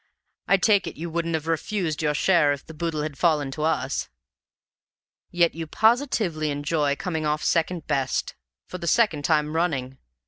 I take it you wouldn't have refused your share if the boodle had fallen to us? Yet you positively enjoy coming off second best for the second time running!